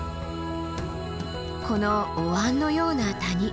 このお椀のような谷。